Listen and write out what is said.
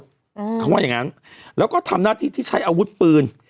อืมเขาว่าอย่างงั้นแล้วก็ทำหน้าที่ที่ใช้อาวุธปืน